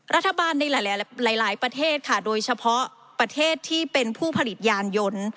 รัฐบาลในหลายประเทศค่ะโดยเฉพาะประเทศที่เป็นผู้ผลิตยานยนต์